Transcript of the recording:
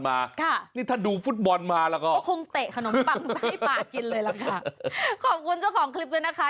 ใส้ปากินเลยละค่ะขอบคุณเจ้าของคลิปด้วยนะคะ